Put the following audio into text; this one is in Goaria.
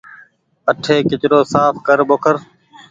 اٺي ڪچرو ساڦ ڪر ٻوکر۔